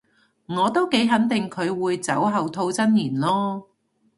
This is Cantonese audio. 我都幾肯定佢會酒後吐真言囉